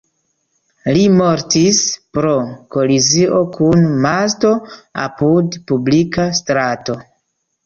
Li mortis pro kolizio kun masto apud publika strato.